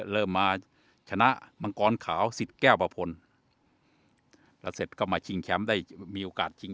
เริ่มมาชนะมังกรขาวสิทธิ์แก้วประพลแล้วเสร็จก็มาชิงแชมป์ได้มีโอกาสชิง